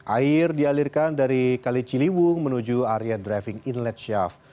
air dialirkan dari kali ciliwung menuju area driving inlet syaf